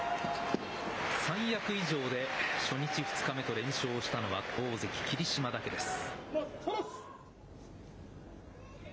三役以上で、初日、２日目と連勝したのは、大関・霧島だけです。